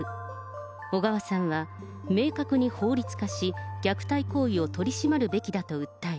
小川さんは、明確に法律化し、虐待行為を取り締まるべきだと訴える。